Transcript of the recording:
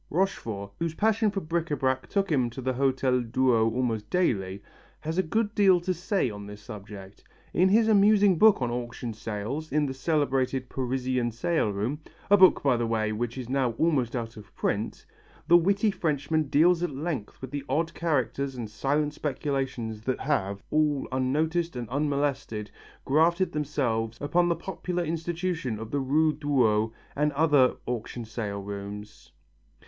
Rochefort, whose passion for bric à brac took him to the Hotel Drouot almost daily, has a good deal to say on this subject. In his amusing book on auction sales in the celebrated Parisian sale room a book, by the way, which is now almost out of print the witty Frenchman deals at length with the odd characters and silent speculations that have, all unnoticed and unmolested, grafted themselves upon the popular institution of the Rue Drouot and other auction sale rooms.